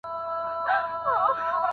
څېړونکی هره ورځ نوي مقالې لولي.